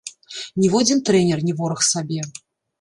Ніводзін трэнер не вораг сабе.